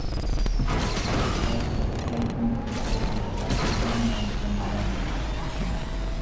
Kathy, the thirteenth contestant, was then eliminated from the game.